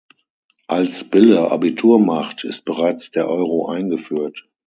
Als Bille Abitur macht, ist bereits der Euro eingeführt.